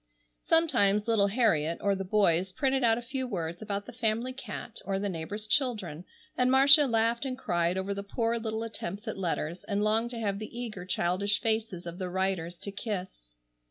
Sometimes little Harriet or the boys printed out a few words about the family cat, or the neighbors' children, and Marcia laughed and cried over the poor little attempts at letters and longed to have the eager childish faces of the writers to kiss.